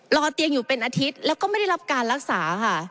รอเตียงอยู่เป็นอาทิตย์แล้วก็ไม่ได้รับการรักษาค่ะ